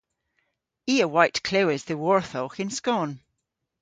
I a wayt klewes dhyworthowgh yn skon.